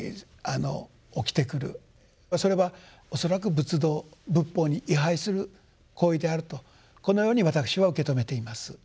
それは恐らく仏道仏法に違背する行為であるとこのように私は受け止めています。